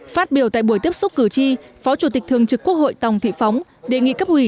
phát biểu tại buổi tiếp xúc cử tri phó chủ tịch thường trực quốc hội tòng thị phóng đề nghị cấp ủy